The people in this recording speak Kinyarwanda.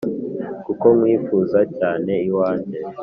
Kuko nkwifuza cyane iwanjye